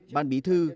ban bí thư